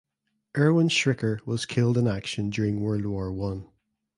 Erwin Schricker was killed in action during World War One.